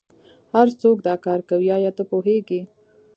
هرڅوک دا کار کوي ایا ته پوهیږې